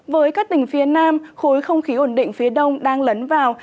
với các tỉnh phía nam khối không khí ổn định phía đông đang lấn vào